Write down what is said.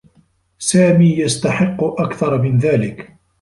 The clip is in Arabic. سامي يستحقّ أكثر من ذلك.